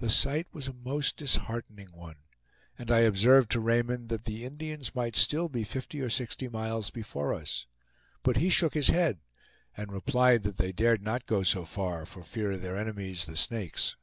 The sight was a most disheartening one, and I observed to Raymond that the Indians might still be fifty or sixty miles before us. But he shook his head, and replied that they dared not go so far for fear of their enemies, the Snakes.